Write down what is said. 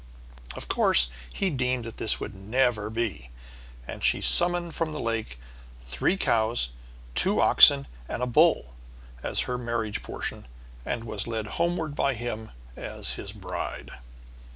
Of course he deemed that this could never be; and she summoning from the lake three cows, two oxen, and a bull, as her marriage portion, was led homeward by him as his bride.